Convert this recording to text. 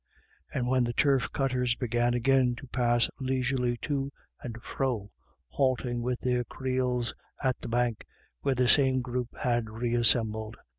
And then the turf cutters began again to pass leisurely to and fro, halting with their creels at the bank where the same group had reassembled.